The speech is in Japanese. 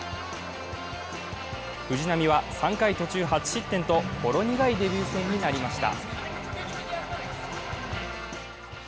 藤浪は３回途中８失点とほろ苦いデビュー戦になりました。